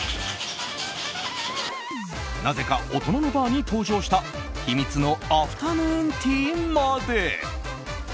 なぜか大人のバーに登場した秘密のアフタヌーンティーまで。